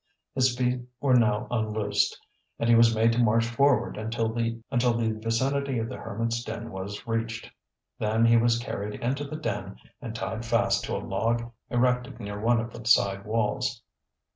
His feet were now unloosed and he was made to march forward until the vicinity of the hermit's den was reached. Then he was carried into the den and tied fast to a log erected near one of the side walls.